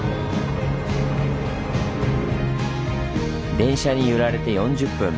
電車に揺られて４０分。